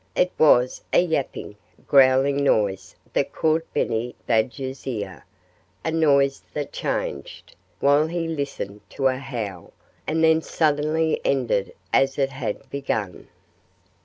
It was a yapping, growling noise that caught Benny Badger's ear a noise that changed, while he listened, to a howl, and then suddenly ended as it had begun.